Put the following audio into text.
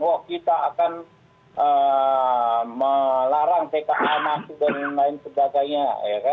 bahwa kita akan melarang tka masuk dan lain sebagainya